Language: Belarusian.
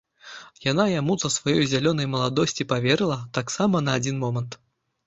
Яна яму з-за сваёй зялёнай маладосці паверыла, таксама на адзін момант.